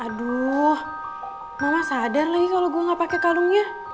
aduh mama sadar lagi kalau gue gak pakai kalungnya